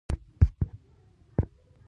ډوډۍ خوندوره ده.